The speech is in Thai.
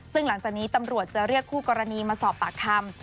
ซึ่งหลังจากนี้ตำรวจจะเรียกคู่กรณีมาสอบปากคำ